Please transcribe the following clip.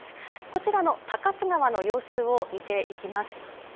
こちらの高津川の様子を見ていきます。